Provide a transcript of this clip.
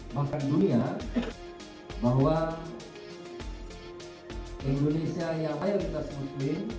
bahkan dunia bahwa indonesia yang air kita se muslim